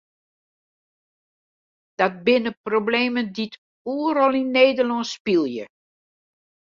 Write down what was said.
Dat binne problemen dy't oeral yn Nederlân spylje.